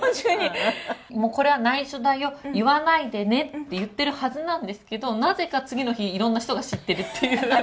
もうこれはないしょだよ、言わないでねって言ってるはずなんですけど、なぜか次の日、いろんな人が知ってるっていう。